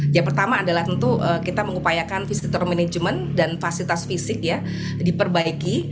yang pertama adalah tentu kita mengupayakan visitor management dan fasilitas fisik ya diperbaiki